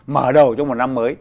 mở đầu trong một năm mới